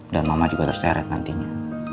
mama juga terseret nantinya